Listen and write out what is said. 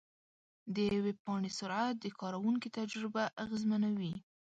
د ویب پاڼې سرعت د کارونکي تجربه اغېزمنوي.